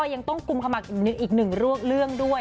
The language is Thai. ยังต้องกุมขมักอีกหนึ่งเรื่องด้วย